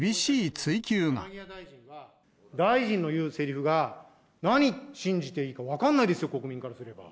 大臣の言うせりふが、何信じていいか分かんないですよ、国民からすれば。